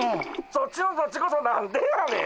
そっちのそっちこそ何でやねん。